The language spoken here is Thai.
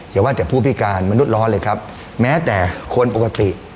อย่าว่าแต่ผู้พิการมนุษย์ร้อนเลยครับแม้แต่คนปกติ